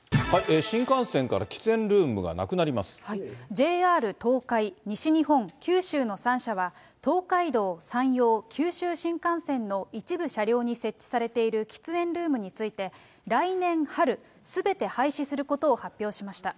ＪＲ東海、西日本、九州の３社は、東海道、山陽、九州新幹線の一部車両に設置されている喫煙ルームについて、来年春、すべて廃止することを発表しました。